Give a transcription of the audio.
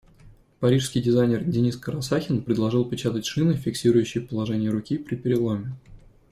Парижский дизайнер Дениз Карасахин предложил печатать шины, фиксирующие положение руки при переломе.